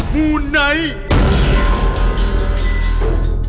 มูไนท์